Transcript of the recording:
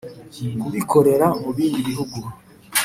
Kubikorera mu bindi bihugu